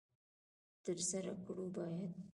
تر سره کړو باید.